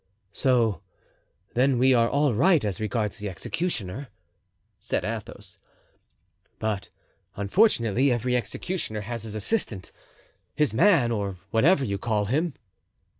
"So, then, we are all right as regards the executioner," said Athos; "but unfortunately every executioner has his assistant, his man, or whatever you call him."